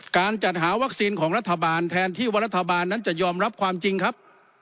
การจัดหาวัคซีนของรัฐบาลแทนที่ว่ารัฐบาลนั้นจะยอมรับความจริงครับ